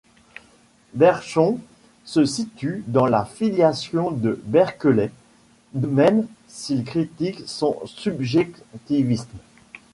Bergson se situe dans la filiation de Berkeley, même s'il critique son subjectivisme.